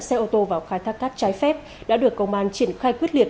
xe ô tô vào khai thác cát trái phép đã được công an triển khai quyết liệt